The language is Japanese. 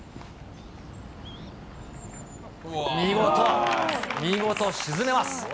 見事、見事沈めます。